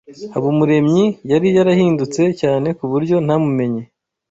Habumuremyi yari yarahindutse cyane kuburyo ntamumenye.